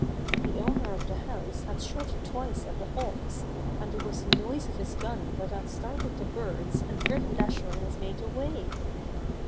The owner of the house had shot twice at the Hawks, and it was the noise of his gun that had startled the birds and driven Dasher and his mate away.